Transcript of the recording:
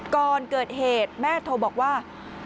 ก่อนเกิดเหตุแม่โทรบอกว่า